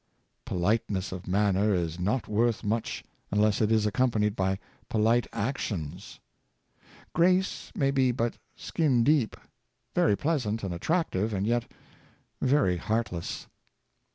Politeness of manner is Purity of Character, 543 not worth much unless it is accompanied by polite ac tions. Grace may be but skin deep — very pleasant and attractive, and yet very heartless.